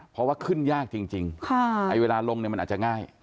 เพราะว่าขึ้นยากจริงไอ้เวลาลงเนี่ยมันอาจจะง่าย